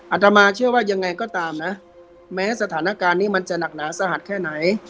อาตมาเชื่อว่ายังไงก็ตามนะแม้สถานการณ์นี้มันจะหนักหนาสาหัสแค่ไหน